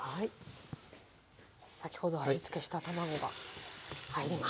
先ほど味付けした卵が入ります。